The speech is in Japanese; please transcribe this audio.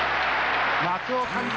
松尾監督